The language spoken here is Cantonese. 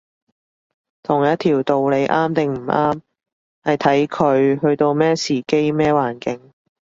同一條道理啱定唔啱，係睇佢去到咩時機，咩環境